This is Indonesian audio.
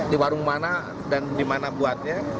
di warung mana dan di mana buatnya